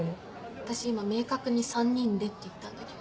私今明確に「３人で」って言ったんだけど。